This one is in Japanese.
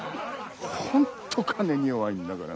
本当金に弱いんだから。